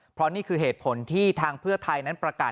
เพราะนี่คือเหตุผลที่ทางเพื่อไทยนั้นประกาศ